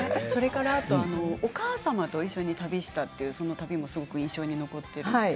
それからお母様と一緒に旅したというその旅もすごく印象に残ってるって。